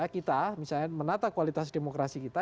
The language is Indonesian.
kita misalnya menata kualitas demokrasi kita